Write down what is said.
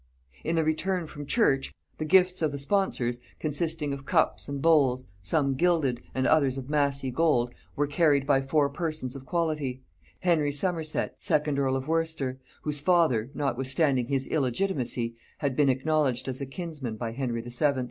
In the return from church, the gifts of the sponsors, consisting of cups and bowls, some gilded, and others of massy gold, were carried by four persons of quality: Henry Somerset second earl of Worcester, whose father, notwithstanding his illegitimacy, had been acknowledged as a kinsman by Henry VII.